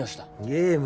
ゲーム。